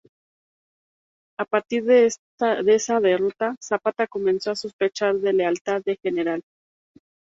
A partir de esa derrota, Zapata comenzó a sospechar de la lealtad del Gral.